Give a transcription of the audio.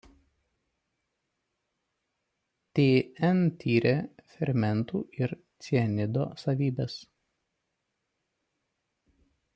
Tn tyrė fermentų ir cianido savybes.